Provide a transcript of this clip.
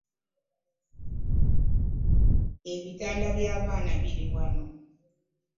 Ebitanda bya baana biri wano.